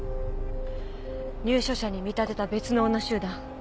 入所者に見立てた別の女集団。